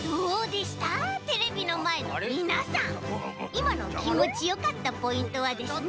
いまのきんもちよかったポイントはですね。